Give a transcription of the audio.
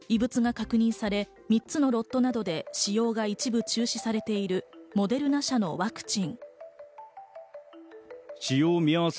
異物が確認され、３つのロットなどで使用が一部中止されているモデルナ社のワクチン。